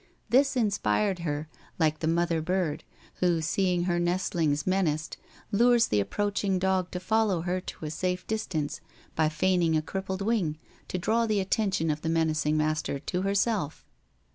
This inspired her, like the mother bird who, seeing her nestlings menaced, lures the approaching dog to follow her to a safe distance by feigning a crippled wing, to draw the attention of the menacing master to herself.